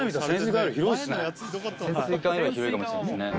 潜水艦よりは広いかもしれないですね。